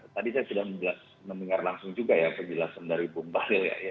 tadi saya sudah mendengar langsung juga ya penjelasan dari bung bahlil ya